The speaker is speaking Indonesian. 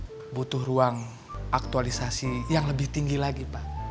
apakah butuh ruang aktualisasi yang lebih tinggi lagi pak